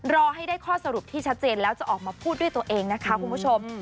รอให้ได้ข้อสรุปที่ชัดเจนแล้วจะออกมาพูดด้วยตัวเองนะคะคุณผู้ชม